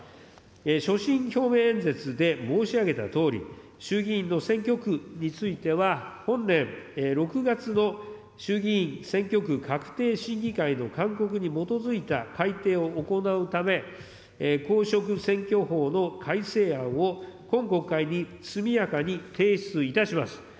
所信表明演説で申し上げたとおり、衆議院の選挙区については、本年６月の衆議院選挙区画定審議会の勧告に基づいた改定を行うため、公職選挙法の改正案を今国会に速やかに提出いたします。